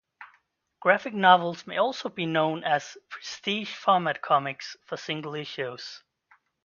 Graphic novels may also be known as "prestige format" comics for single issues.